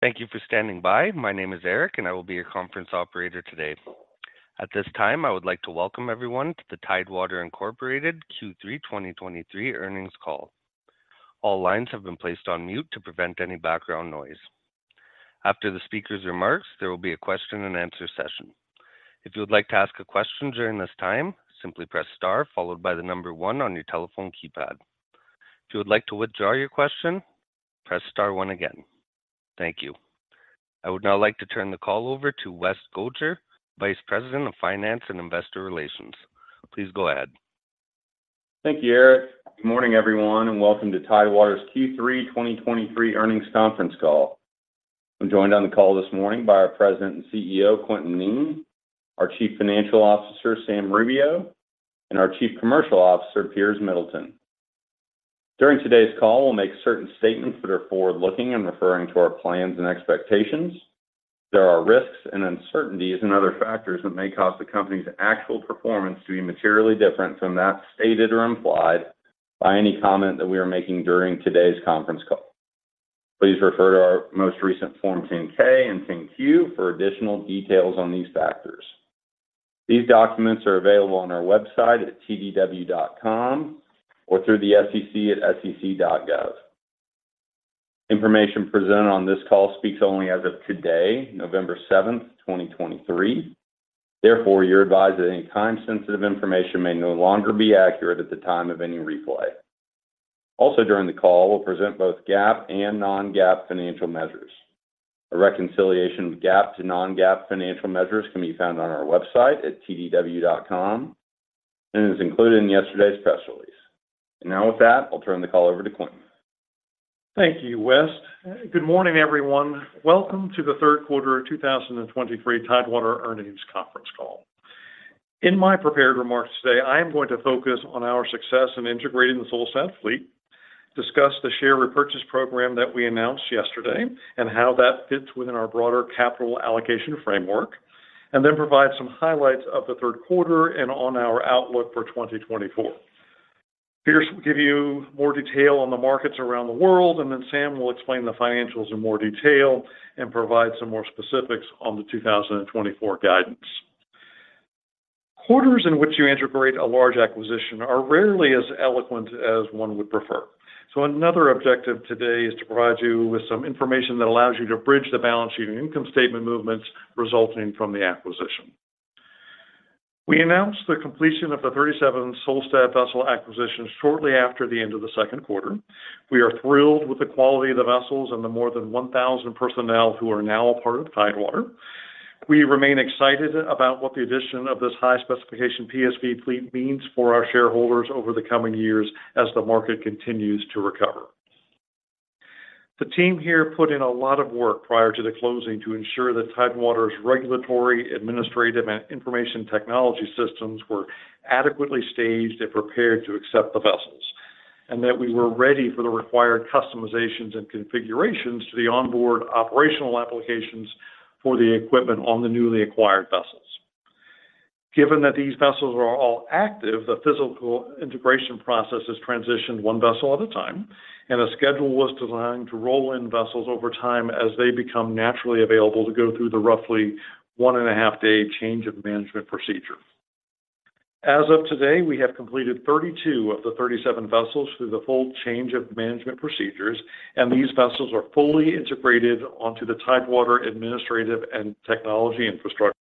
Thank you for standing by. My name is Eric, and I will be your conference operator today. At this time, I would like to welcome everyone to the Tidewater Incorporated Q3 2023 earnings call. All lines have been placed on mute to prevent any background noise. After the speaker's remarks, there will be a question and answer session. If you would like to ask a question during this time, simply press star followed by the number one on your telephone keypad. If you would like to withdraw your question, press star one again. Thank you. I would now like to turn the call over to West Gotcher, Vice President of Finance and Investor Relations. Please go ahead. Thank you, Eric. Good morning, everyone, and welcome to Tidewater's Q3 2023 Earnings Conference Call. I'm joined on the call this morning by our President and CEO, Quintin Kneen, our Chief Financial Officer, Sam Rubio, and our Chief Commercial Officer, Piers Middleton. During today's call, we'll make certain statements that are forward-looking and referring to our plans and expectations. There are risks and uncertainties, and other factors that may cause the company's actual performance to be materially different from that stated or implied by any comment that we are making during today's conference call. Please refer to our most recent Form 10-K and 10-Q for additional details on these factors. These documents are available on our website at tdw.com or through the SEC at sec.gov. Information presented on this call speaks only as of today, November 7, 2023. Therefore, you're advised that any time-sensitive information may no longer be accurate at the time of any replay. Also, during the call, we'll present both GAAP and non-GAAP financial measures. A reconciliation of GAAP to non-GAAP financial measures can be found on our website at tdw.com, and is included in yesterday's press release. And now, with that, I'll turn the call over to Quintin. Thank you, Wes. Good morning, everyone. Welcome to the third quarter of 2023 Tidewater Earnings Conference Call. In my prepared remarks today, I am going to focus on our success in integrating the Solstad fleet, discuss the share repurchase program that we announced yesterday, and how that fits within our broader capital allocation framework, and then provide some highlights of the third quarter and on our outlook for 2024. Piers will give you more detail on the markets around the world, and then Sam will explain the financials in more detail and provide some more specifics on the 2024 guidance. Quarters in which you integrate a large acquisition are rarely as eloquent as one would prefer. Another objective today is to provide you with some information that allows you to bridge the balance sheet and income statement movements resulting from the acquisition. We announced the completion of the 37 Solstad vessel acquisition shortly after the end of the second quarter. We are thrilled with the quality of the vessels and the more than 1,000 personnel who are now a part of Tidewater. We remain excited about what the addition of this high specification PSV fleet means for our shareholders over the coming years as the market continues to recover. The team here put in a lot of work prior to the closing to ensure that Tidewater's regulatory, administrative, and information technology systems were adequately staged and prepared to accept the vessels, and that we were ready for the required customizations and configurations to the onboard operational applications for the equipment on the newly acquired vessels. Given that these vessels are all active, the physical integration process has transitioned one vessel at a time, and a schedule was designed to roll in vessels over time as they become naturally available to go through the roughly one and a half day change of management procedure. As of today, we have completed 32 of the 37 vessels through the full change of management procedures, and these vessels are fully integrated onto the Tidewater administrative and technology infrastructure.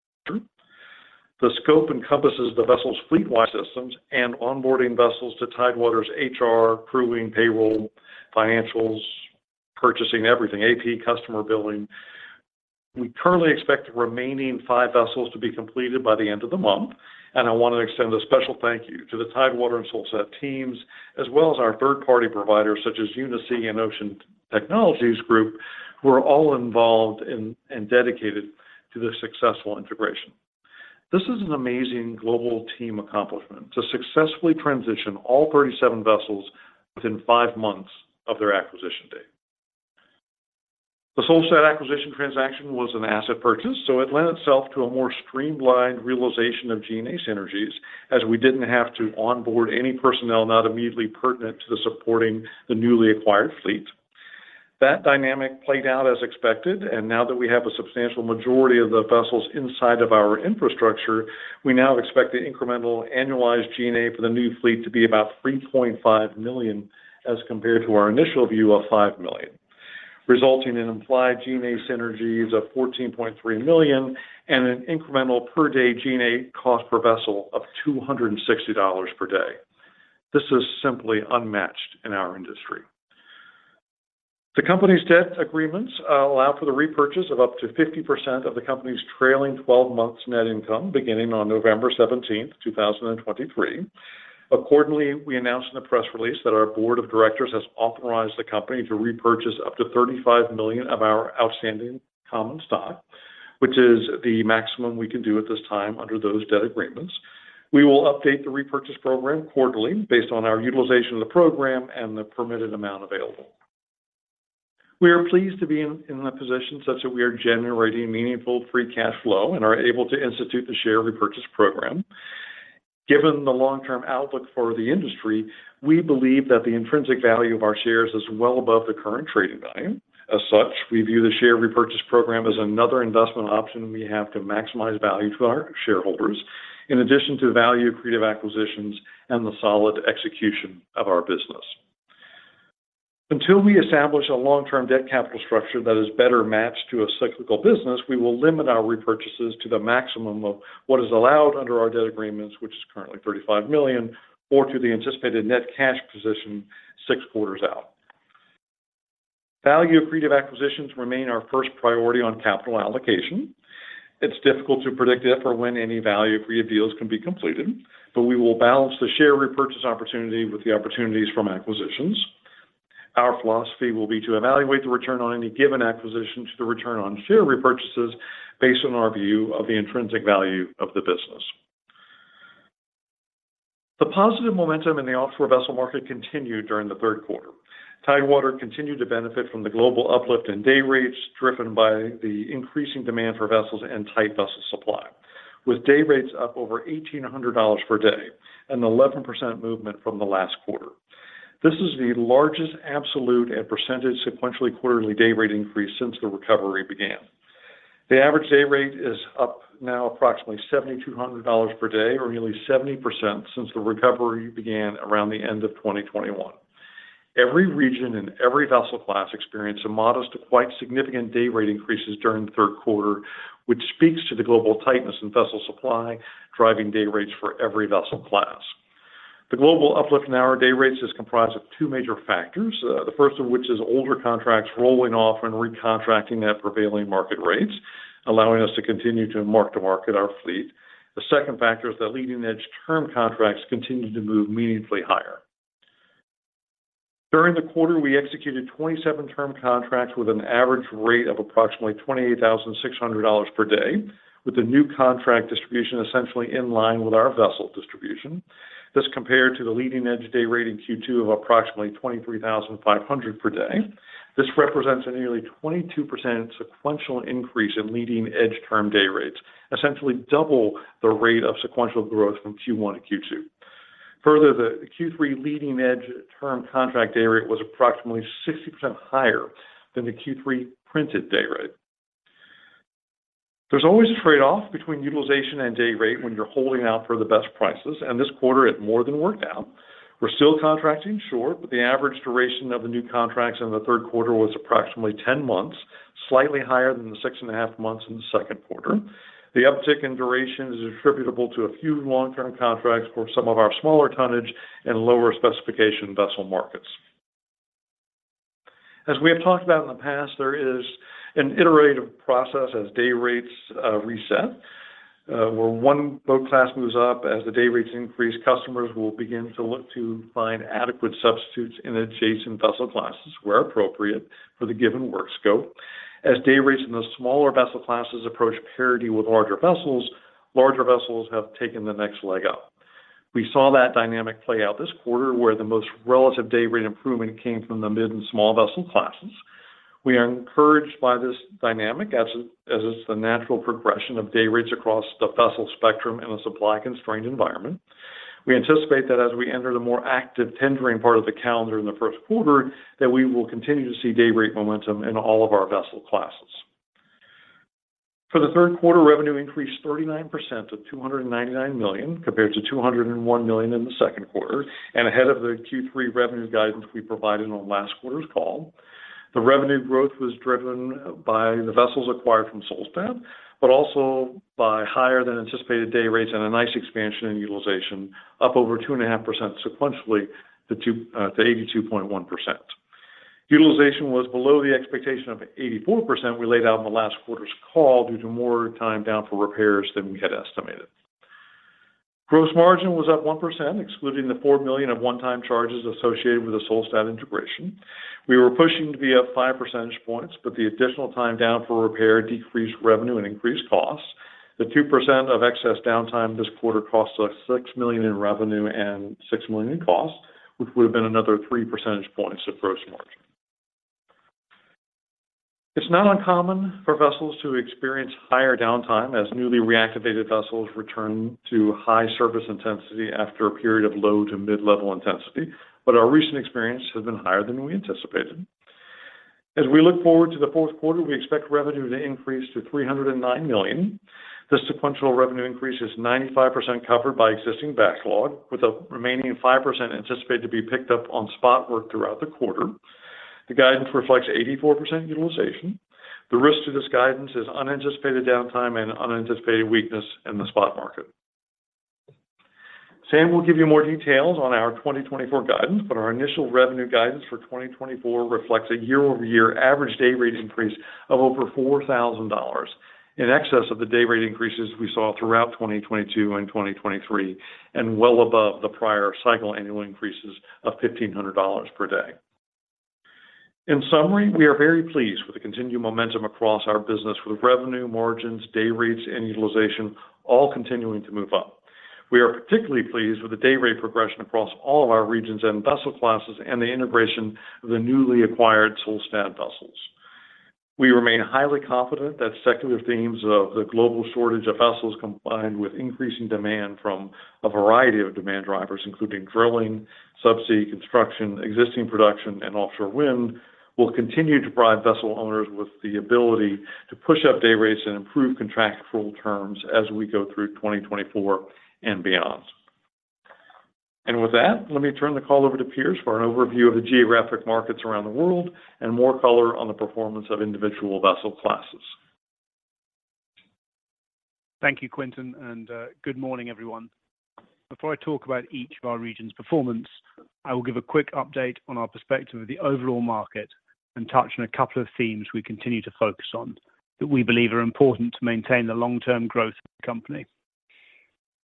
The scope encompasses the vessels fleet-wide systems and onboarding vessels to Tidewater's HR, crewing, payroll, financials, purchasing everything, AP, customer billing. We currently expect the remaining 5 vessels to be completed by the end of the month, and I want to extend a special thank you to the Tidewater and Solstad teams, as well as our third-party providers, such as UniSea and Ocean Technologies Group, who are all involved and dedicated to the successful integration. This is an amazing global team accomplishment to successfully transition all 37 vessels within five months of their acquisition date. The Solstad acquisition transaction was an asset purchase, so it lent itself to a more streamlined realization of G&A synergies as we didn't have to onboard any personnel not immediately pertinent to supporting the newly acquired fleet. That dynamic played out as expected, and now that we have a substantial majority of the vessels inside of our infrastructure, we now expect the incremental annualized G&A for the new fleet to be about $3.5 million, as compared to our initial view of $5 million, resulting in implied G&A synergies of $14.3 million and an incremental per-day G&A cost per vessel of $260 per day. This is simply unmatched in our industry. The company's debt agreements allow for the repurchase of up to 50% of the company's trailing twelve months net income, beginning on November 17, 2023. Accordingly, we announced in a press release that our board of directors has authorized the company to repurchase up to $35 million of our outstanding common stock, which is the maximum we can do at this time under those debt agreements. We will update the repurchase program quarterly based on our utilization of the program and the permitted amount available. We are pleased to be in a position such that we are generating meaningful free cash flow and are able to institute the share repurchase program. Given the long-term outlook for the industry, we believe that the intrinsic value of our shares is well above the current trading value. As such, we view the share repurchase program as another investment option, and we have to maximize value to our shareholders, in addition to the value accretive acquisitions and the solid execution of our business. Until we establish a long-term debt capital structure that is better matched to a cyclical business, we will limit our repurchases to the maximum of what is allowed under our debt agreements, which is currently $35 million, or to the anticipated net cash position six quarters out. Value accretive acquisitions remain our first priority on capital allocation. It's difficult to predict if or when any value accretive deals can be completed, but we will balance the share repurchase opportunity with the opportunities from acquisitions. Our philosophy will be to evaluate the return on any given acquisition to the return on share repurchases based on our view of the intrinsic value of the business. The positive momentum in the offshore vessel market continued during the third quarter. Tidewater continued to benefit from the global uplift in day rates, driven by the increasing demand for vessels and tight vessel supply, with day rates up over $1,800 per day and 11% movement from the last quarter. This is the largest absolute and percentage sequentially quarterly day rate increase since the recovery began. The average day rate is up now approximately $7,200 per day, or nearly 70% since the recovery began around the end of 2021. Every region and every vessel class experienced a modest to quite significant day rate increases during the third quarter, which speaks to the global tightness in vessel supply, driving day rates for every vessel class. The global uplift in our day rates is comprised of two major factors. The first of which is older contracts rolling off and recontracting at prevailing market rates, allowing us to continue to mark-to-market our fleet. The second factor is that leading-edge term contracts continued to move meaningfully higher. During the quarter, we executed 27 term contracts with an average rate of approximately $28,600 per day, with the new contract distribution essentially in line with our vessel distribution. This compared to the leading edge day rate in Q2 of approximately $23,500 per day. This represents a nearly 22% sequential increase in leading edge term day rates, essentially double the rate of sequential growth from Q1 to Q2. Further, the Q3 leading edge term contract day rate was approximately 60% higher than the Q3 printed day rate. There's always a trade-off between utilization and day rate when you're holding out for the best prices, and this quarter, it more than worked out. We're still contracting short, but the average duration of the new contracts in the third quarter was approximately 10 months, slightly higher than the 6.5 months in the second quarter. The uptick in duration is attributable to a few long-term contracts for some of our smaller tonnage and lower specification vessel markets. As we have talked about in the past, there is an iterative process as day rates reset. Where one boat class moves up, as the day rates increase, customers will begin to look to find adequate substitutes in adjacent vessel classes, where appropriate, for the given work scope. As day rates in the smaller vessel classes approach parity with larger vessels, larger vessels have taken the next leg up. We saw that dynamic play out this quarter, where the most relative day rate improvement came from the mid and small vessel classes. We are encouraged by this dynamic as it's the natural progression of day rates across the vessel spectrum in a supply-constrained environment. We anticipate that as we enter the more active tendering part of the calendar in the first quarter, that we will continue to see day rate momentum in all of our vessel classes. For the third quarter, revenue increased 39% to $299 million, compared to $201 million in the second quarter and ahead of the Q3 revenue guidance we provided on last quarter's call. The revenue growth was driven by the vessels acquired from Solstad, but also by higher than anticipated day rates and a nice expansion in utilization, up over 2.5% sequentially to two, to 82.1%. Utilization was below the expectation of 84% we laid out in the last quarter's call due to more time down for repairs than we had estimated. Gross margin was up 1%, excluding the $4 million of one-time charges associated with the Solstad integration. We were pushing to be up five percentage points, but the additional time down for repair decreased revenue and increased costs. The 2% of excess downtime this quarter cost us $6 million in revenue and $6 million in costs, which would have been another three percentage points of gross margin. It's not uncommon for vessels to experience higher downtime as newly reactivated vessels return to high service intensity after a period of low to mid-level intensity, but our recent experience has been higher than we anticipated. As we look forward to the fourth quarter, we expect revenue to increase to $309 million. This sequential revenue increase is 95% covered by existing backlog, with a remaining 5% anticipated to be picked up on spot work throughout the quarter. The guidance reflects 84% utilization. The risk to this guidance is unanticipated downtime and unanticipated weakness in the spot market. Sam will give you more details on our 2024 guidance, but our initial revenue guidance for 2024 reflects a year-over-year average day rate increase of over $4,000, in excess of the day rate increases we saw throughout 2022 and 2023, and well above the prior cycle annual increases of $1,500 per day. In summary, we are very pleased with the continued momentum across our business, with revenue margins, day rates, and utilization all continuing to move up. We are particularly pleased with the day rate progression across all of our regions and vessel classes and the integration of the newly acquired Solstad vessels. We remain highly confident that secular themes of the global shortage of vessels, combined with increasing demand from a variety of demand drivers, including drilling, subsea construction, existing production, and offshore wind, will continue to provide vessel owners with the ability to push up day rates and improve contractual terms as we go through 2024 and beyond. With that, let me turn the call over to Piers for an overview of the geographic markets around the world and more color on the performance of individual vessel classes. Thank you, Quintin, and good morning, everyone. Before I talk about each of our regions' performance, I will give a quick update on our perspective of the overall market and touch on a couple of themes we continue to focus on, that we believe are important to maintain the long-term growth of the company.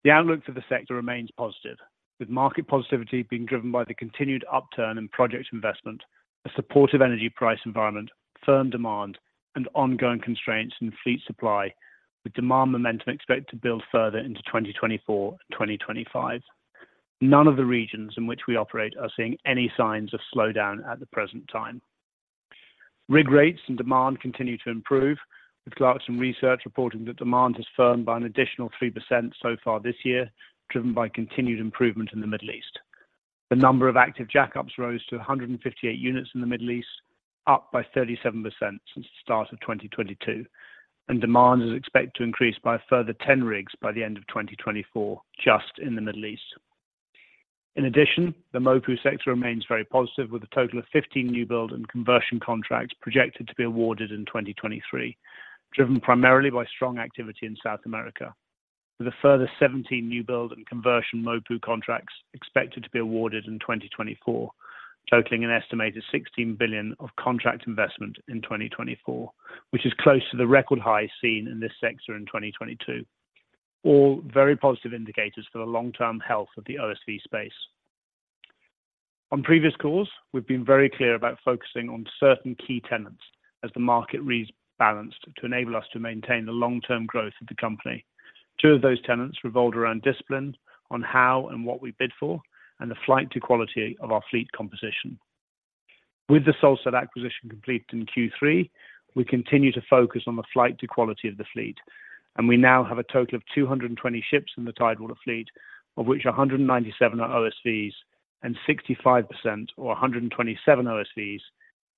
The outlook for the sector remains positive, with market positivity being driven by the continued upturn in project investment, a supportive energy price environment, firm demand, and ongoing constraints in fleet supply, with demand momentum expected to build further into 2024 and 2025. None of the regions in which we operate are seeing any signs of slowdown at the present time. Rig rates and demand continue to improve, with Clarksons Research reporting that demand has firmed by an additional 3% so far this year, driven by continued improvement in the Middle East. The number of active jackups rose to 158 units in the Middle East, up by 37% since the start of 2022, and demand is expected to increase by a further 10 rigs by the end of 2024, just in the Middle East. In addition, the MOPU sector remains very positive, with a total of 15 newbuild and conversion contracts projected to be awarded in 2023, driven primarily by strong activity in South America. With a further 17 newbuild and conversion MOPU contracts expected to be awarded in 2024, totaling an estimated $16 billion of contract investment in 2024, which is close to the record high seen in this sector in 2022. All very positive indicators for the long-term health of the OSV space. On previous calls, we've been very clear about focusing on certain key tenets as the market rebalanced, to enable us to maintain the long-term growth of the company. Two of those tenets revolved around discipline, on how and what we bid for, and the flight to quality of our fleet composition. With the Solstad acquisition completed in Q3, we continue to focus on the flight to quality of the fleet, and we now have a total of 200 ships in the Tidewater fleet, of which 197 are OSVs, and 65% or 127 OSVs,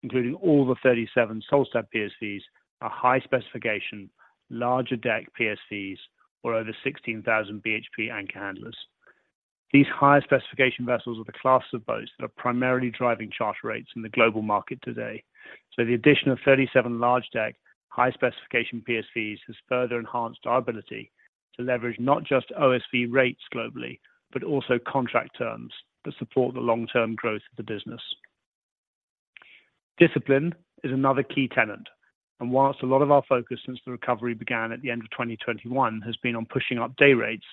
including all the 37 Solstad PSVs, are high specification, larger deck PSVs or over 16,000 BHP anchor handlers. These higher specification vessels are the classes of boats that are primarily driving charter rates in the global market today. So the addition of 37 large deck, high specification PSVs, has further enhanced our ability to leverage not just OSV rates globally, but also contract terms that support the long-term growth of the business. Discipline is another key tenet, and while a lot of our focus since the recovery began at the end of 2021 has been on pushing up day rates,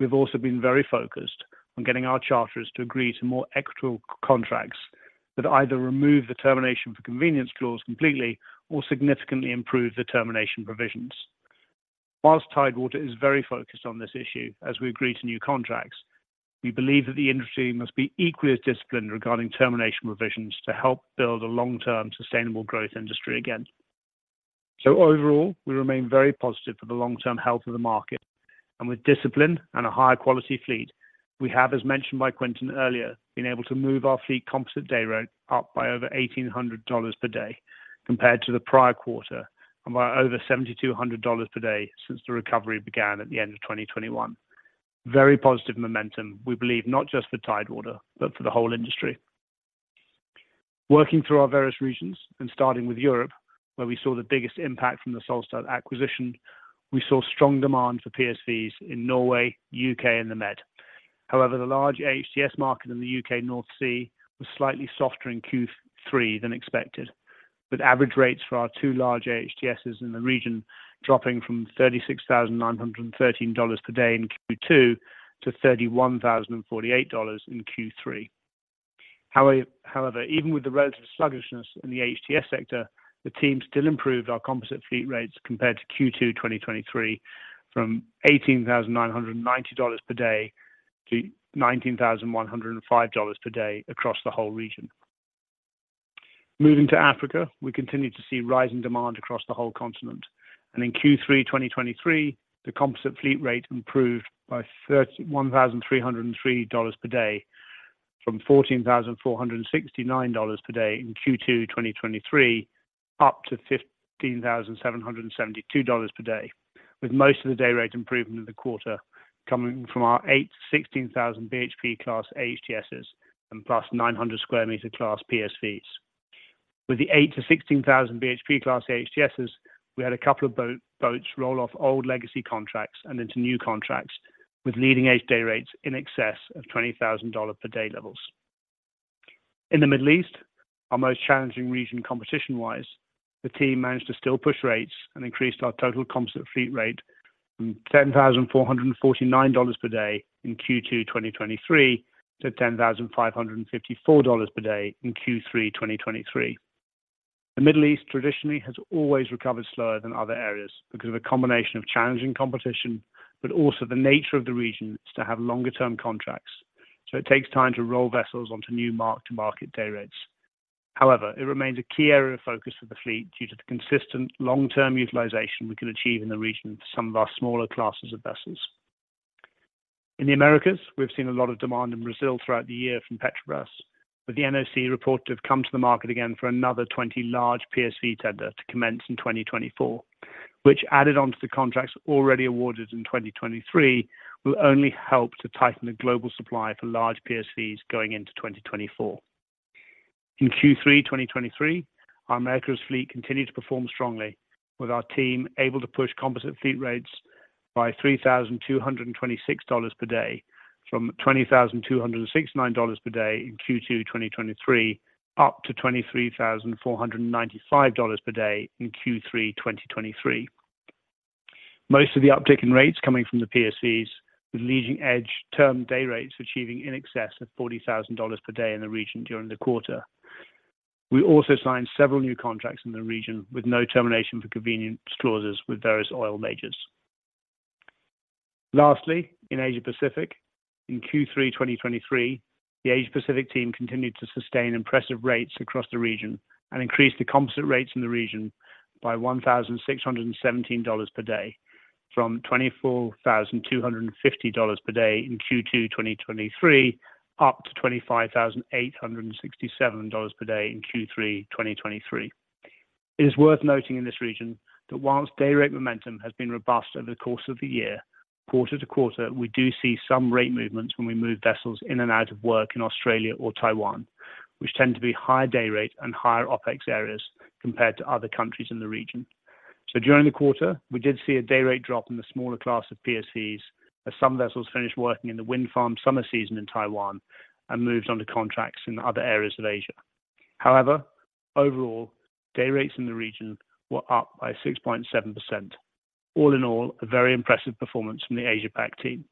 we've also been very focused on getting our charterers to agree to more equitable contracts that either remove the termination for convenience clause completely or significantly improve the termination provisions. While Tidewater is very focused on this issue as we agree to new contracts, we believe that the industry must be equally as disciplined regarding termination provisions to help build a long-term, sustainable growth industry again. So overall, we remain very positive for the long-term health of the market, and with discipline and a high-quality fleet, we have, as mentioned by Quintin earlier, been able to move our fleet composite day rate up by over $1,800 per day compared to the prior quarter, and by over $7,200 per day since the recovery began at the end of 2021. Very positive momentum, we believe, not just for Tidewater, but for the whole industry. Working through our various regions and starting with Europe, where we saw the biggest impact from the Solstad acquisition, we saw strong demand for PSVs in Norway, UK, and the Med. However, the large AHTS market in the UK North Sea was slightly softer in Q3 than expected, with average rates for our two large AHTS in the region dropping from $36,913 per day in Q2 to $31,048 in Q3. However, even with the relative sluggishness in the AHTS sector, the team still improved our composite fleet rates compared to Q2 2023, from $18,990 per day to $19,105 per day across the whole region. Moving to Africa, we continue to see rising demand across the whole continent, and in Q3 2023, the composite fleet rate improved by $31,303 per day, from $14,469 per day in Q2 2023, up to $15,772 per day, with most of the day rate improvement in the quarter coming from our 8,000-16,000 BHP class AHTSs and +900 sq m class PSVs. With the 8,000-16,000 BHP class AHTS, we had a couple of boats roll off old legacy contracts and into new contracts, with leading edge day rates in excess of $20,000 per day levels. In the Middle East, our most challenging region competition-wise, the team managed to still push rates and increased our total composite fleet rate from $10,449 per day in Q2 2023 to $10,554 per day in Q3 2023. The Middle East traditionally has always recovered slower than other areas because of a combination of challenging competition, but also the nature of the region is to have longer term contracts. So it takes time to roll vessels onto new mark-to-market day rates. However, it remains a key area of focus for the fleet due to the consistent long-term utilization we can achieve in the region for some of our smaller classes of vessels. In the Americas, we've seen a lot of demand in Brazil throughout the year from Petrobras, with the NOC reported to have come to the market again for another 20 large PSV tender to commence in 2024, which added onto the contracts already awarded in 2023, will only help to tighten the global supply for large PSVs going into 2024. In Q3 2023, our Americas fleet continued to perform strongly, with our team able to push composite fleet rates by $3,226 per day, from $20,269 per day in Q2 2023, up to $23,495 per day in Q3 2023. Most of the uptick in rates coming from the PSVs, with leading-edge term day rates achieving in excess of $40,000 per day in the region during the quarter. We also signed several new contracts in the region with no termination for convenience clauses with various oil majors. Lastly, in Asia Pacific, in Q3 2023, the Asia Pacific team continued to sustain impressive rates across the region and increased the composite rates in the region by $1,617 per day, from $24,250 per day in Q2 2023, up to $25,867 per day in Q3 2023. It is worth noting in this region that while day rate momentum has been robust over the course of the year, quarter to quarter, we do see some rate movements when we move vessels in and out of work in Australia or Taiwan, which tend to be higher day rate and higher OpEx areas compared to other countries in the region. So during the quarter, we did see a day rate drop in the smaller class of PSVs as some vessels finished working in the wind farm summer season in Taiwan and moved on to contracts in other areas of Asia. However, overall, day rates in the region were up by 6.7%. All in all, a very impressive performance from the Asia Pac team.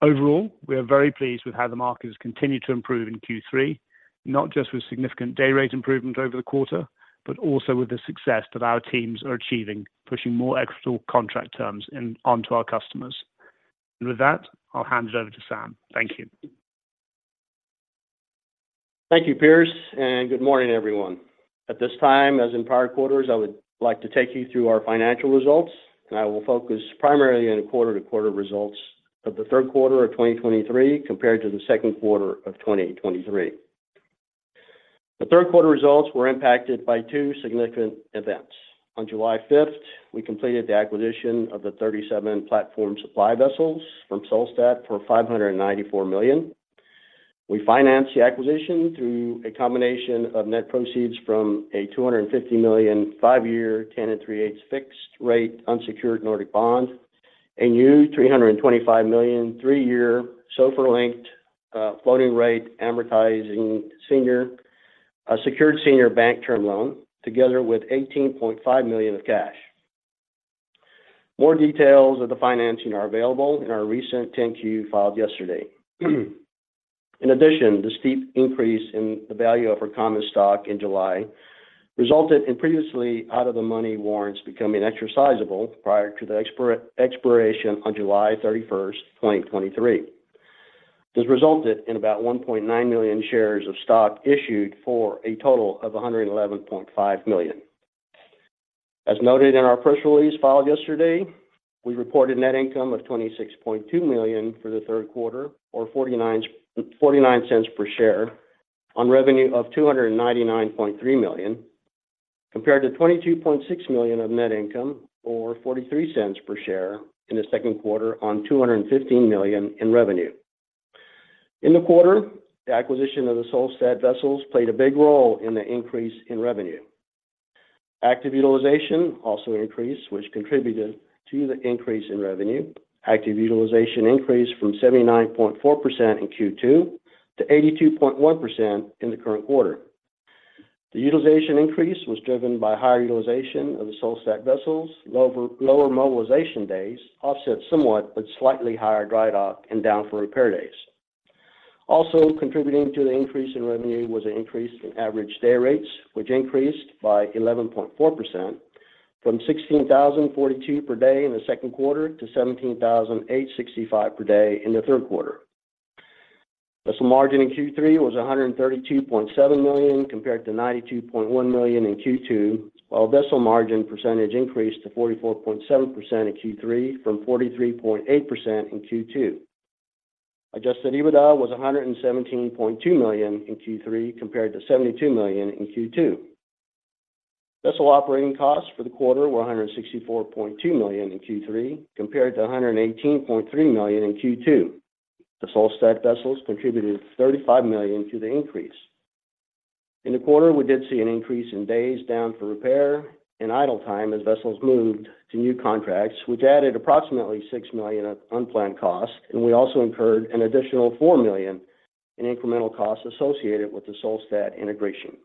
Overall, we are very pleased with how the market has continued to improve in Q3, not just with significant day rate improvement over the quarter, but also with the success that our teams are achieving, pushing more equitable contract terms in, onto our customers. With that, I'll hand it over to Sam. Thank you. Thank you, Piers, and good morning, everyone. At this time, as in prior quarters, I would like to take you through our financial results, and I will focus primarily on quarter-to-quarter results of the third quarter of 2023 compared to the second quarter of 2023. The third quarter results were impacted by two significant events. On July fifth, we completed the acquisition of the 37 platform supply vessels from Solstad for $594 million. We financed the acquisition through a combination of net proceeds from a $250 million, five-year, 10 3/8 fixed rate unsecured Nordic bond, a new $325 million, three-year, SOFR-linked, floating rate amortizing senior, a secured senior bank term loan, together with $18.5 million of cash. More details of the financing are available in our recent 10-Q filed yesterday. In addition, the steep increase in the value of our common stock in July resulted in previously out-of-the-money warrants becoming exercisable prior to the expiration on July 31, 2023. This resulted in about 1.9 million shares of stock issued for a total of $111.5 million. As noted in our press release filed yesterday, we reported net income of $26.2 million for the third quarter, or $0.49 per share on revenue of $299.3 million, compared to $22.6 million of net income, or $0.43 per share in the second quarter on $215 million in revenue. In the quarter, the acquisition of the Solstad vessels played a big role in the increase in revenue. Active utilization also increased, which contributed to the increase in revenue. Active utilization increased from 79.4% in Q2 to 82.1% in the current quarter. The utilization increase was driven by higher utilization of the Solstad vessels, lower mobilization days, offset somewhat, but slightly higher dry dock and down four repair days. Also, contributing to the increase in revenue was an increase in average day rates, which increased by 11.4%, from $16,042 per day in the second quarter to $17,865 per day in the third quarter. Vessel margin in Q3 was $132.7 million, compared to $92.1 million in Q2, while vessel margin percentage increased to 44.7% in Q3 from 43.8% in Q2. Adjusted EBITDA was $117.2 million in Q3, compared to $72 million in Q2. Vessel operating costs for the quarter were $164.2 million in Q3, compared to $118.3 million in Q2. The Solstad vessels contributed $35 million to the increase. In the quarter, we did see an increase in days down for repair and idle time as vessels moved to new contracts, which added approximately $6 million of unplanned costs, and we also incurred an additional $4 million in incremental costs associated with the Solstad integration.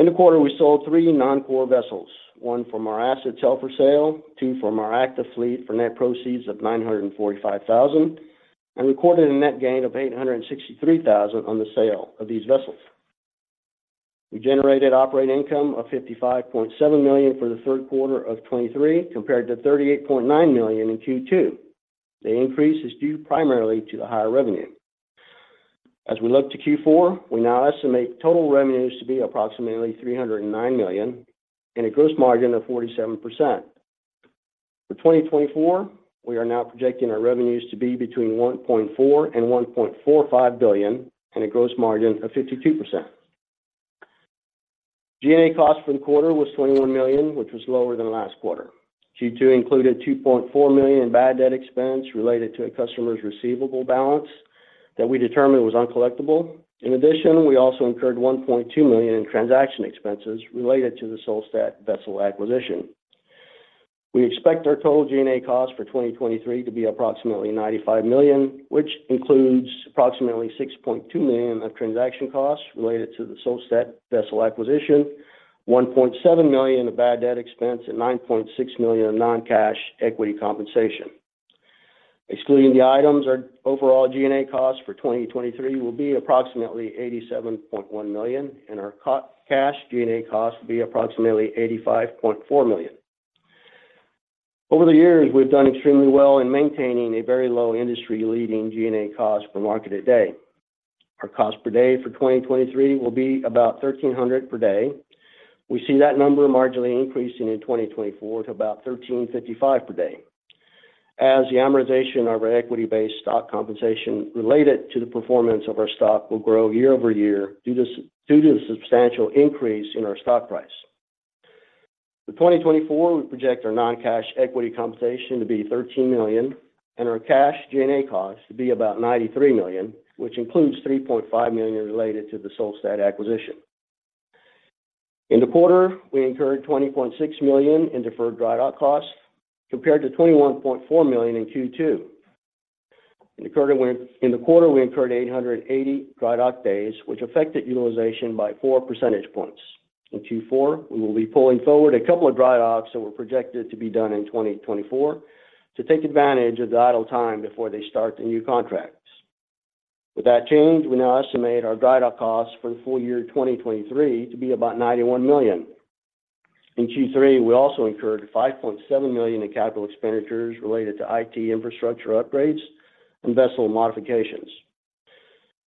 In the quarter, we sold three non-core vessels, one from our assets held for sale, two from our active fleet for net proceeds of $945,000, and recorded a net gain of $863,000 on the sale of these vessels.... We generated operating income of $55.7 million for the third quarter of 2023, compared to $38.9 million in Q2. The increase is due primarily to the higher revenue. As we look to Q4, we now estimate total revenues to be approximately $309 million and a gross margin of 47%. For 2024, we are now projecting our revenues to be between $1.4 billion and $1.45 billion, and a gross margin of 52%. G&A costs for the quarter was $21 million, which was lower than last quarter. Q2 included $2.4 million in bad debt expense related to a customer's receivable balance that we determined was uncollectible. In addition, we also incurred $1.2 million in transaction expenses related to the Solstad vessel acquisition. We expect our total G&A costs for 2023 to be approximately $95 million, which includes approximately $6.2 million of transaction costs related to the Solstad vessel acquisition, $1.7 million in bad debt expense, and $9.6 million in non-cash equity compensation. Excluding the items, our overall G&A costs for 2023 will be approximately $87.1 million, and our cash G&A costs will be approximately $85.4 million. Over the years, we've done extremely well in maintaining a very low industry-leading G&A cost per market a day. Our cost per day for 2023 will be about$ 1,300 per day. We see that number marginally increasing in 2024 to about $1,355 per day. As the amortization of our equity-based stock compensation related to the performance of our stock will grow year over year, due to the substantial increase in our stock price. For 2024, we project our non-cash equity compensation to be $13 million and our cash G&A costs to be about $93 million, which includes $3.5 million related to the Solstad acquisition. In the quarter, we incurred $20.6 million in deferred dry dock costs, compared to $21.4 million in Q2. In the quarter, we incurred 880 dry dock days, which affected utilization by 4 percentage points. In Q4, we will be pulling forward a couple of dry docks that were projected to be done in 2024 to take advantage of the idle time before they start the new contracts. With that change, we now estimate our dry dock costs for the full year 2023 to be about $91 million. In Q3, we also incurred $5.7 million in capital expenditures related to IT infrastructure upgrades and vessel modifications.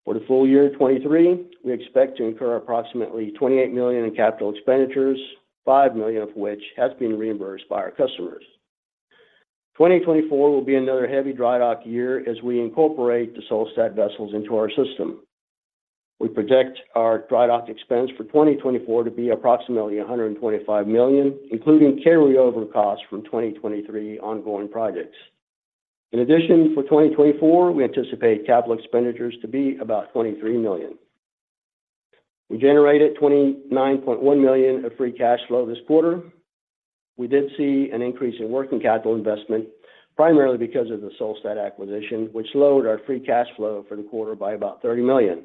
For the full year 2023, we expect to incur approximately $28 million in capital expenditures, $5 million of which has been reimbursed by our customers. 2024 will be another heavy dry dock year as we incorporate the Solstad vessels into our system. We project our dry dock expense for 2024 to be approximately $125 million, including carryover costs from 2023 ongoing projects. In addition, for 2024, we anticipate capital expenditures to be about $23 million. We generated $29.1 million of free cash flow this quarter. We did see an increase in working capital investment, primarily because of the Solstad acquisition, which lowered our free cash flow for the quarter by about $30 million.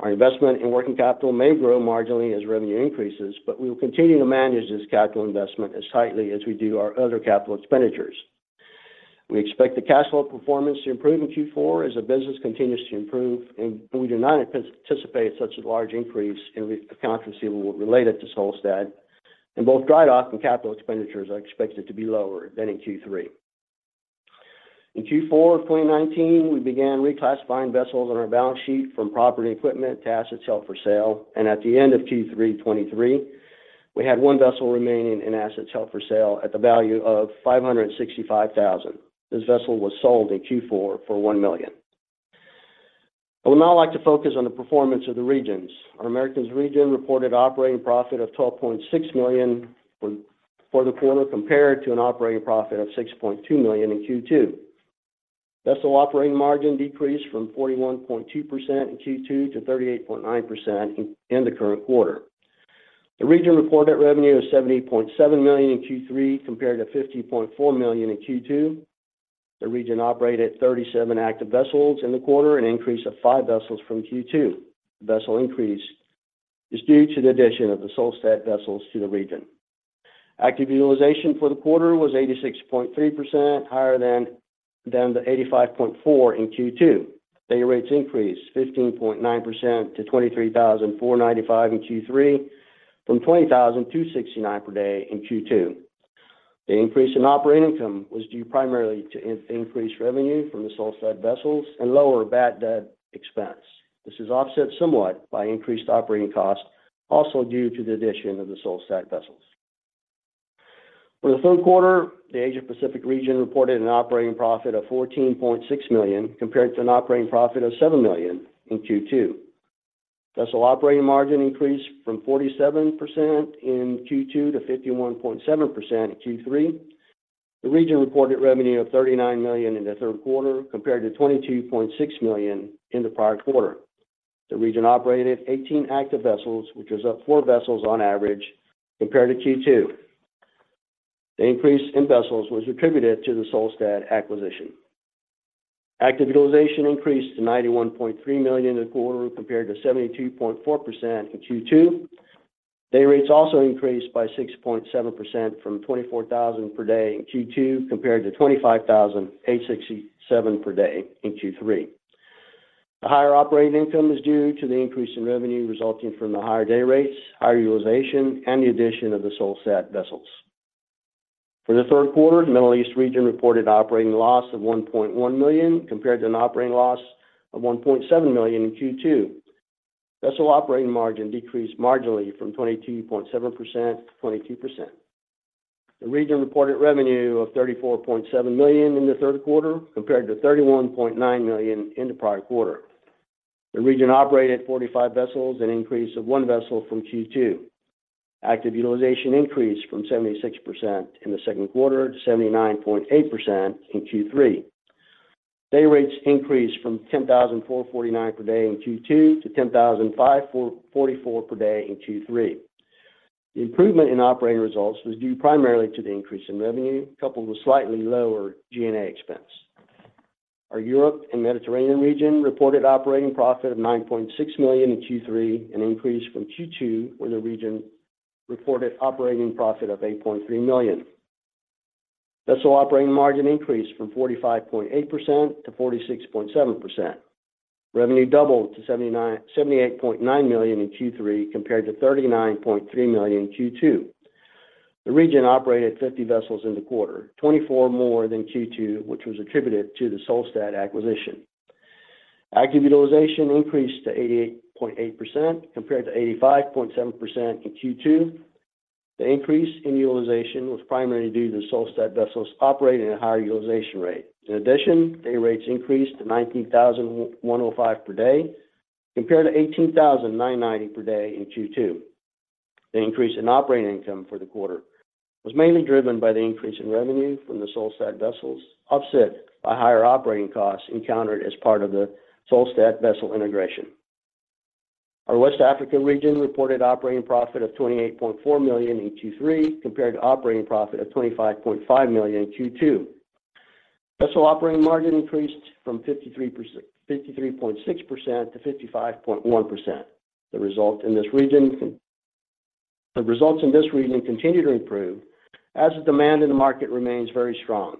Our investment in working capital may grow marginally as revenue increases, but we will continue to manage this capital investment as tightly as we do our other capital expenditures. We expect the cash flow performance to improve in Q4 as the business continues to improve, and we do not anticipate such a large increase in accounts receivable related to Solstad, and both dry dock and capital expenditures are expected to be lower than in Q3. In Q4 of 2019, we began reclassifying vessels on our balance sheet from property and equipment to assets held for sale, and at the end of Q3 2023, we had one vessel remaining in assets held for sale at the value of $565,000. This vessel was sold in Q4 for $1 million. I would now like to focus on the performance of the regions. Our Americas region reported operating profit of $12.6 million for the quarter, compared to an operating profit of $6.2 million in Q2. Vessel operating margin decreased from 41.2% in Q2 to 38.9% in the current quarter. The region reported revenue of $78.7 million in Q3, compared to $50.4 million in Q2. The region operated 37 active vessels in the quarter, an increase of five vessels from Q2. The vessel increase is due to the addition of the Solstad vessels to the region. Active utilization for the quarter was 86.3%, higher than the 85.4% in Q2. Day rates increased 15.9% to $23,495 in Q3 from $20,269 per day in Q2. The increase in operating income was due primarily to increased revenue from the Solstad vessels and lower bad debt expense. This is offset somewhat by increased operating costs, also due to the addition of the Solstad vessels. For the third quarter, the Asia Pacific region reported an operating profit of $14.6 million, compared to an operating profit of $7 million in Q2. Vessel operating margin increased from 47% in Q2 to 51.7% in Q3. The region reported revenue of $39 million in the third quarter, compared to $22.6 million in the prior quarter. The region operated 18 active vessels, which was up 4 vessels on average compared to Q2. The increase in vessels was attributed to the Solstad acquisition. Active utilization increased to 91.3% in the quarter, compared to 72.4% in Q2. Day rates also increased by 6.7% from $24,000 per day in Q2, compared to $25,867 per day in Q3. The higher operating income is due to the increase in revenue resulting from the higher day rates, higher utilization, and the addition of the Solstad vessels. For the third quarter, the Middle East region reported operating loss of $1.1 million, compared to an operating loss of $1.7 million in Q2. Vessel operating margin decreased marginally from 22.7% to 22%. The region reported revenue of $34.7 million in the third quarter, compared to $31.9 million in the prior quarter. The region operated 45 vessels, an increase of one vessel from Q2. Active utilization increased from 76% in the second quarter to 79.8% in Q3. Day rates increased from $10,449 per day in Q2 to $10,544 per day in Q3. The improvement in operating results was due primarily to the increase in revenue, coupled with slightly lower G&A expense. Our Europe and Mediterranean region reported operating profit of $9.6 million in Q3, an increase from Q2, when the region reported operating profit of $8.3 million. Vessel operating margin increased from 45.8% to 46.7%. Revenue doubled to $78.9 million in Q3, compared to $39.3 million in Q2. The region operated 50 vessels in the quarter, 24 more than Q2, which was attributed to the Solstad acquisition. Active utilization increased to 88.8%, compared to 85.7% in Q2. The increase in utilization was primarily due to the Solstad vessels operating at a higher utilization rate. In addition, day rates increased to $19,105 per day, compared to 18,990 per day in Q2. The increase in operating income for the quarter was mainly driven by the increase in revenue from the Solstad vessels, offset by higher operating costs encountered as part of the Solstad vessel integration. Our West Africa region reported operating profit of $28.4 million in Q3, compared to operating profit of $25.5 million in Q2. Vessel operating margin increased from 53.6% to 55.1%. The results in this region continue to improve as the demand in the market remains very strong.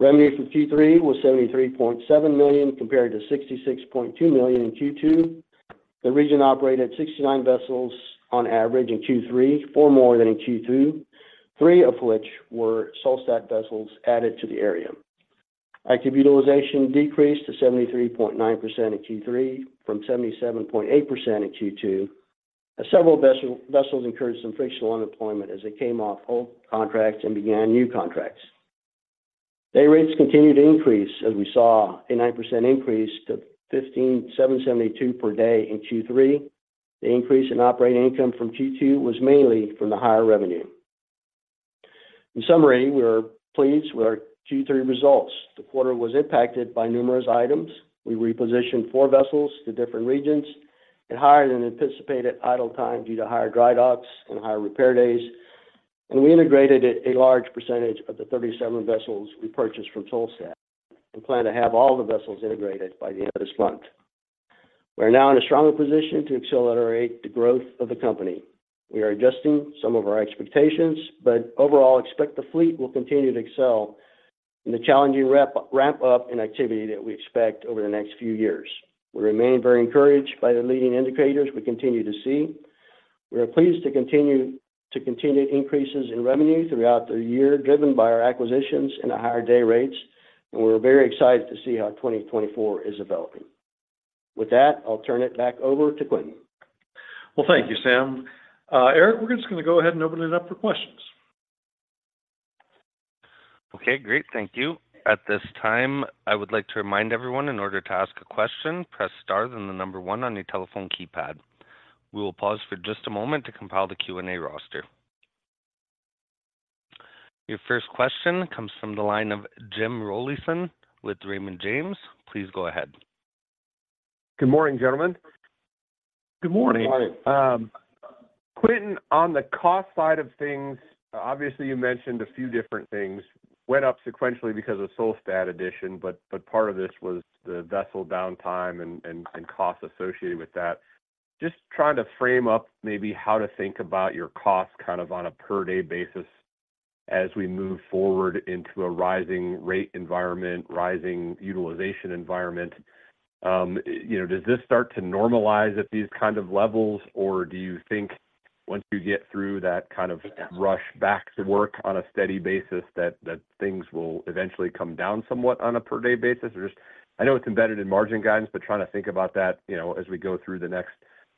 Revenue for Q3 was $73.7 million, compared to $66.2 million in Q2. The region operated 69 vessels on average in Q3, 4 more than in Q2, 3 of which were Solstad vessels added to the area. Active utilization decreased to 73.9% in Q3 from 77.8% in Q2, as several vessels incurred some frictional unemployment as they came off old contracts and began new contracts. Day rates continued to increase as we saw a 9% increase to $15,772 per day in Q3. The increase in operating income from Q2 was mainly from the higher revenue. In summary, we are pleased with our Q3 results. The quarter was impacted by numerous items. We repositioned 4 vessels to different regions and hired an anticipated idle time due to higher dry docks and higher repair days. We integrated a large percentage of the 37 vessels we purchased from Solstad and plan to have all the vessels integrated by the end of this month. We are now in a stronger position to accelerate the growth of the company. We are adjusting some of our expectations, but overall, expect the fleet will continue to excel in the challenging ramp, ramp up in activity that we expect over the next few years. We remain very encouraged by the leading indicators we continue to see. We are pleased to continue increases in revenue throughout the year, driven by our acquisitions and a higher day rates, and we're very excited to see how 2024 is developing. With that, I'll turn it back over to Quintin. Well, thank you, Sam. Eric, we're just going to go ahead and open it up for questions. Okay, great. Thank you. At this time, I would like to remind everyone, in order to ask a question, press star, then the number one on your telephone keypad. We will pause for just a moment to compile the Q&A roster. Your first question comes from the line of Jim Rollyson with Raymond James. Please go ahead. Good morning, gentlemen. Good morning. Good morning. Quintin, on the cost side of things, obviously, you mentioned a few different things. Went up sequentially because of Solstad addition, but part of this was the vessel downtime and costs associated with that. Just trying to frame up maybe how to think about your cost, kind of on a per-day basis as we move forward into a rising rate environment, rising utilization environment. You know, does this start to normalize at these kind of levels, or do you think once you get through that kind of rush back to work on a steady basis, that things will eventually come down somewhat on a per-day basis? Or just... I know it's embedded in margin guidance, but trying to think about that, you know, as we go through the next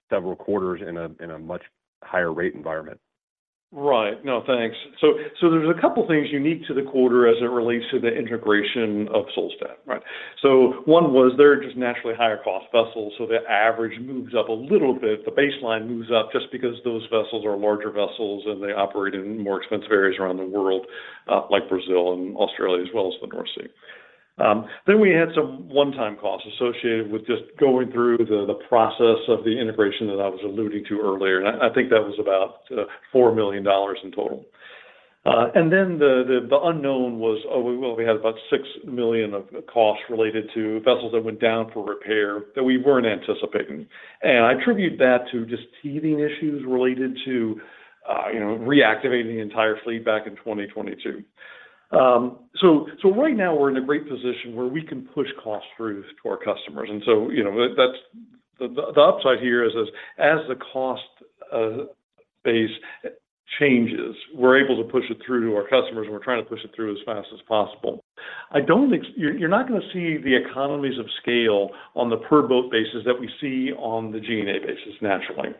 several quarters in a much higher rate environment? Right. No, thanks. So there's a couple things unique to the quarter as it relates to the integration of Solstad, right? So one was, they're just naturally higher cost vessels, so the average moves up a little bit. The baseline moves up just because those vessels are larger vessels, and they operate in more expensive areas around the world, like Brazil and Australia, as well as the North Sea. Then we had some one-time costs associated with just going through the process of the integration that I was alluding to earlier, and I think that was about $4 million in total... And then the unknown was, oh, well, we had about $6 million of costs related to vessels that went down for repair that we weren't anticipating. And I attribute that to just teething issues related to, you know, reactivating the entire fleet back in 2022. So right now, we're in a great position where we can push costs through to our customers. And so, you know, that's the upside here is as the cost base changes, we're able to push it through to our customers, and we're trying to push it through as fast as possible. You're not gonna see the economies of scale on the per boat basis that we see on the G&A basis, naturally.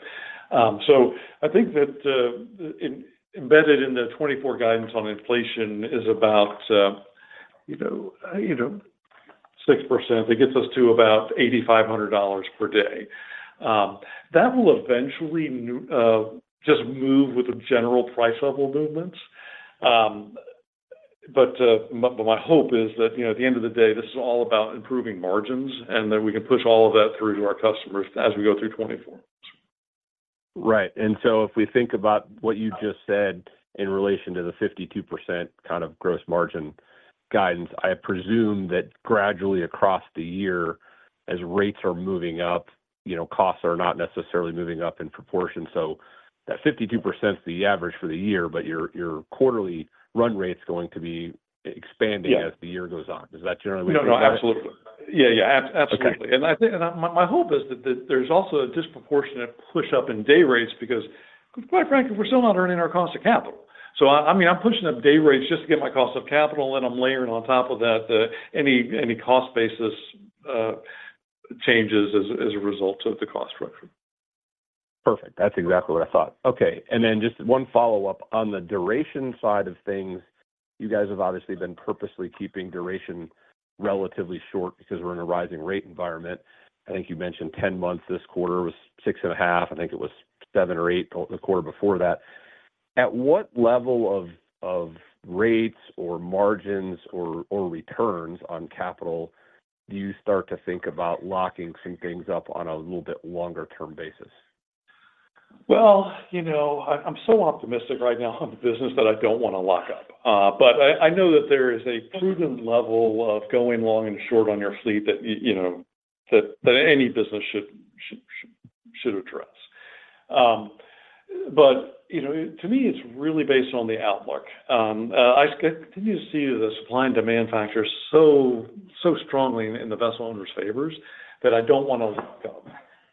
So I think that embedded in the 2024 guidance on inflation is about, you know, 6%. That gets us to about $8,500 per day. That will eventually just move with the general price level movements. But my hope is that, you know, at the end of the day, this is all about improving margins, and that we can push all of that through to our customers as we go through 2024. Right. And so if we think about what you just said in relation to the 52% kind of gross margin guidance, I presume that gradually across the year, as rates are moving up, you know, costs are not necessarily moving up in proportion. So that 52% is the average for the year, but your quarterly run rate is going to be expanding- Yeah As the year goes on. Is that generally what you're saying? No, no, absolutely. Yeah, yeah, absolutely. Okay. I think, and my, my hope is that there's also a disproportionate push-up in day rates because, quite frankly, we're still not earning our cost of capital. So I, I mean, I'm pushing up day rates just to get my cost of capital, and I'm layering on top of that, any, any cost basis, changes as, as a result of the cost structure. Perfect. That's exactly what I thought. Okay, and then just one follow-up. On the duration side of things, you guys have obviously been purposely keeping duration relatively short because we're in a rising rate environment. I think you mentioned 10 months this quarter, was 6.5. I think it was seven or eight the quarter before that. At what level of, of rates or margins or, or returns on capital do you start to think about locking some things up on a little bit longer-term basis? Well, you know, I'm so optimistic right now on the business that I don't want to lock up. But I know that there is a prudent level of going long and short on your fleet that you know that any business should address. But, you know, to me, it's really based on the outlook. I continue to see the supply and demand factors so strongly in the vessel owners' favors that I don't want to lock up.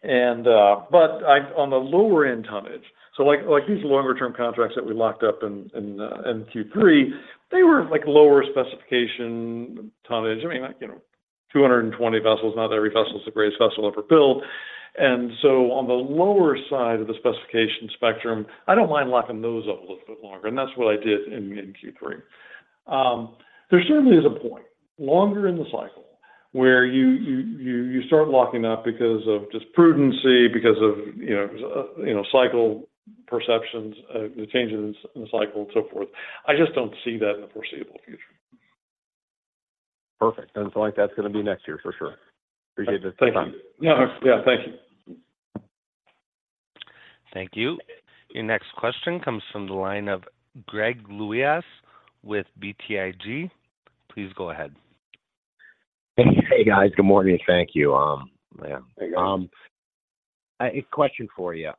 But I on the lower end tonnage. So like these longer-term contracts that we locked up in Q3, they were like lower specification tonnage. I mean, like, you know, 220 vessels, not every vessel is the greatest vessel ever built. And so on the lower side of the specification spectrum, I don't mind locking those up a little bit longer, and that's what I did in Q3. There certainly is a point, longer in the cycle, where you start locking up because of just prudence, because of, you know, you know, cycle perceptions, the changes in the cycle and so forth. I just don't see that in the foreseeable future. Perfect. And so, like, that's gonna be next year for sure. Appreciate the time. Yeah. Yeah, thank you. Thank you. Your next question comes from the line of Greg Lewis with BTIG. Please go ahead. Hey, guys. Good morning. Thank you. Yeah. Hey, Greg. A question for you.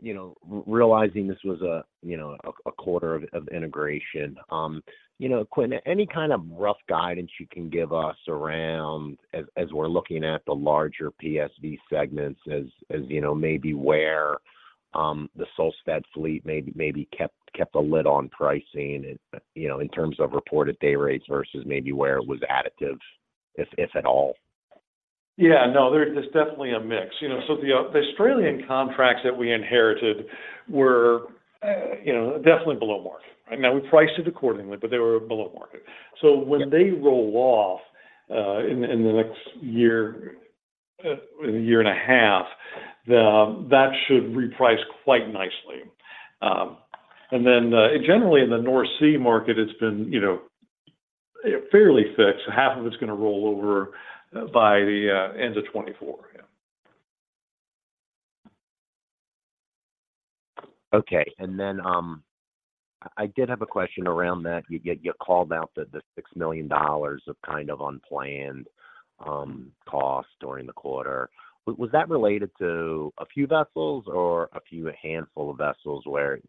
You know, realizing this was a quarter of integration, you know, Quintin, any kind of rough guidance you can give us around as we're looking at the larger PSV segments, as you know, maybe where the Solstad fleet maybe kept a lid on pricing and, you know, in terms of reported day rates versus maybe where it was additive, if at all? Yeah, no, there's definitely a mix. You know, so the Australian contracts that we inherited were, you know, definitely below market. And now we priced it accordingly, but they were below market. Yeah. So when they roll off in the next year and a half, that should reprice quite nicely. And then, generally in the North Sea market, it's been, you know, fairly fixed. Half of it's gonna roll over by the end of 2024. Yeah. Okay. And then, I did have a question around that. You called out the $6 million of kind of unplanned cost during the quarter. Was that related to a few vessels or a few handful of vessels where,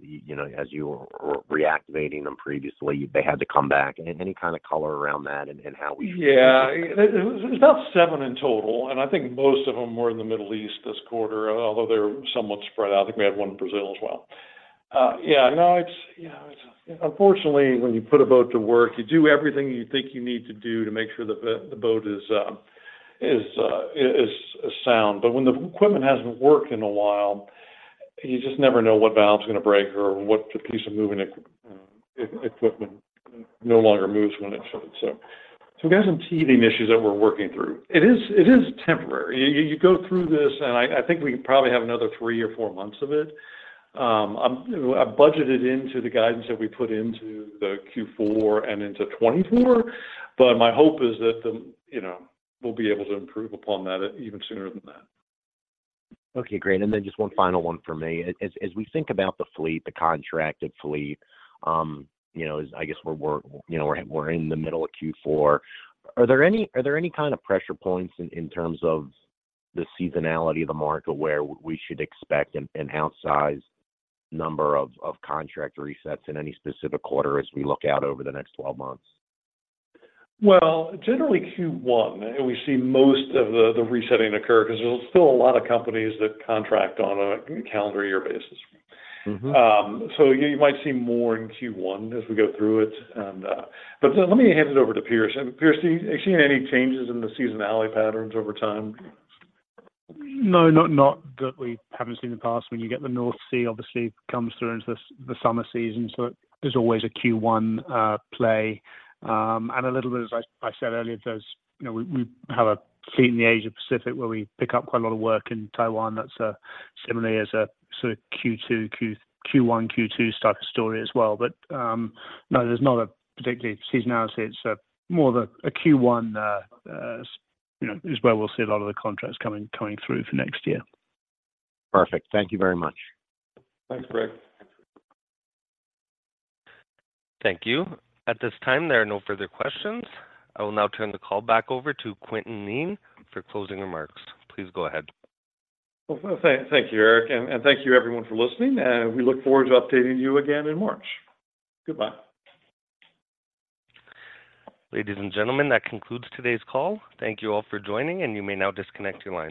you know, as you were reactivating them previously, they had to come back? Any kind of color around that and how we- Yeah. It was about seven in total, and I think most of them were in the Middle East this quarter, although they're somewhat spread out. I think we had one in Brazil as well. Yeah, no, it's, you know, it's. Unfortunately, when you put a boat to work, you do everything you think you need to do to make sure that the boat is sound. But when the equipment hasn't worked in a while, you just never know what valve is gonna break or what piece of moving equipment no longer moves when it should. So we got some teething issues that we're working through. It is temporary. You go through this, and I think we probably have another three or four months of it. You know, I budgeted into the guidance that we put into the Q4 and into 2024, but my hope is that, you know, we'll be able to improve upon that even sooner than that. Okay, great. And then just one final one for me. As we think about the fleet, the contracted fleet, you know, I guess we're, you know, we're in the middle of Q4, are there any kind of pressure points in terms of the seasonality of the market, where we should expect an outsized number of contract resets in any specific quarter as we look out over the next 12 months? Well, generally, Q1, we see most of the resetting occur because there's still a lot of companies that contract on a calendar year basis. So you might see more in Q1 as we go through it. And, so let me hand it over to Piers. Piers, have you seen any changes in the seasonality patterns over time? No, not that we haven't seen in the past. When you get the North Sea, obviously, comes through into the summer season, so there's always a Q1 play. And a little bit, as I said earlier, there's, you know, we have a fleet in the Asia Pacific, where we pick up quite a lot of work in Taiwan. That's similarly as a sort of Q2, Q1, Q2 type of story as well. But no, there's not a particularly seasonality. It's more of a Q1, you know, is where we'll see a lot of the contracts coming through for next year. Perfect. Thank you very much. Thanks, Greg. Thank you. At this time, there are no further questions. I will now turn the call back over to Quintin Kneen for closing remarks. Please go ahead. Well, thank you, Eric, and thank you, everyone, for listening. We look forward to updating you again in March. Goodbye. Ladies and gentlemen, that concludes today's call. Thank you all for joining, and you may now disconnect your lines.